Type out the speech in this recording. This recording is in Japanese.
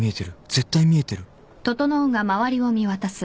絶対見えてる